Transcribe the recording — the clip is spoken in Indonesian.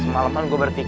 semalam kan gue berpikir